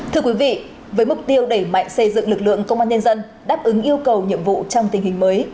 thưa quý vị với mục tiêu đẩy mạnh xây dựng lực lượng công an nhân dân đáp ứng yêu cầu nhiệm vụ trong tình hình mới